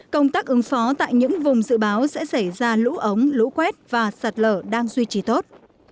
công tác ứng phó tại những vùng dự báo sẽ xảy ra lũ ống lũ quét và sạt lở đang duy trì tốt